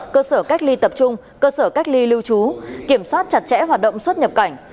cơ sở cách ly tập trung cơ sở cách ly lưu trú kiểm soát chặt chẽ hoạt động xuất nhập cảnh